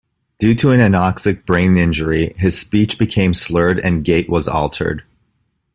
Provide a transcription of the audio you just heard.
Due to an anoxic brain injury, his speech became slurred and gait was altered.